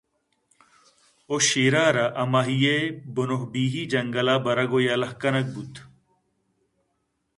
ءُشیر ءَ را ہمائی ءِ بُن ءُ بیہی جَنگل ءَ برگ ءُ یلہ کنگ بُوت